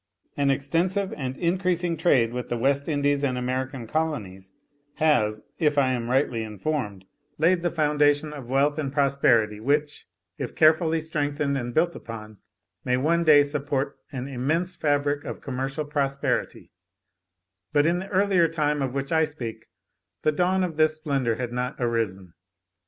An extensive and increasing trade with the West Indies and American colonies, has, if I am rightly informed, laid the foundation of wealth and prosperity, which, if carefully strengthened and built upon, may one day support an immense fabric of commercial prosperity; but in the earlier time of which I speak, the dawn of this splendour had not arisen.